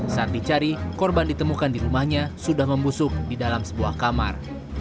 saat dicari korban ditemukan di rumahnya sudah membusuk di dalam sebuah kamar